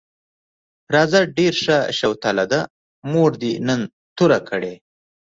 راځه ډېره ښه شوتله ده، مور دې نن توره کړې.